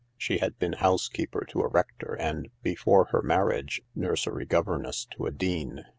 She had been housekeeper to a rector and, before her marriage, nursery governess to a dean.